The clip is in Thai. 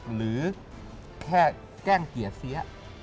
หรือแค่แกล้งเกียรติเสีย